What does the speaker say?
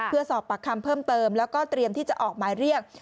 เพื่อสอบปากคำเพิ่มเติมแล้วก็เตรียมที่จะออกหมายเรียก